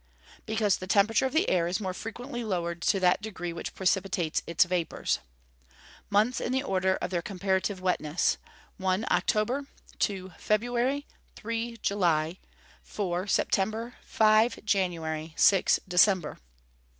_ Because the temperature of the air is more frequently lowered to that degree which precipitates its vapours. Months in the order of their comparative wetness: 1. October. 2. February. 3. July. 4. September. 5. January. 6. December.